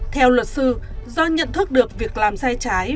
theo luật sư do nhận thức được việc làm sai trái